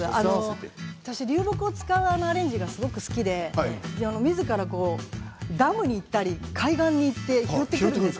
私流木を使うアレンジがすごく好きでみずからダムに行ったり海岸に行って拾ってくるんです。